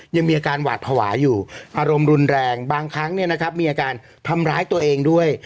ยังมีอาการหวาดภาวะอยู่อารมณ์รุนแรงบางครั้งมีอาการทำร้ายตัวเองด้วย